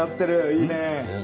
いいねえ！